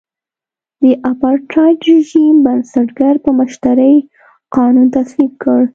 د اپارټایډ رژیم بنسټګر په مشرۍ قانون تصویب کړ.